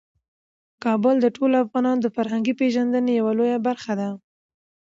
کابل د ټولو افغانانو د فرهنګي پیژندنې یوه لویه برخه ده.